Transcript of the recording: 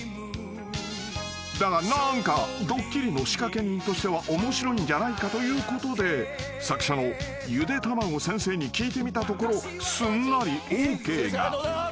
［だが何かドッキリの仕掛け人としては面白いんじゃないかということで作者のゆでたまご先生に聞いてみたところすんなりＯＫが］